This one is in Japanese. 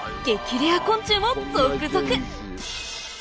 レア昆虫も続々！